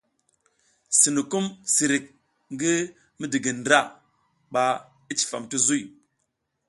Sinukum sirik ngi midigindra ba i cifam ti zuy.